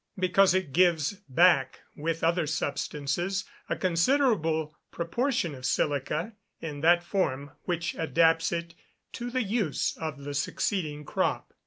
_ Because it gives back, with other substances, a considerable proportion of silica, in that form which adapts it to the use of the succeeding crop.